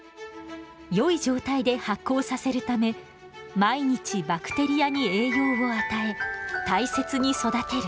よい状態で発酵させるため毎日バクテリアに栄養を与え大切に育てる。